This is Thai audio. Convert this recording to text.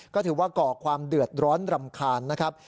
ก็ถือว่าก่อความเดือดร้อนรำคาญนะครับ